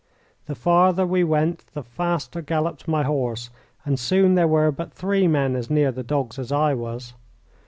The farther we went the faster galloped my horse, and soon there were but three men as near the dogs as I was.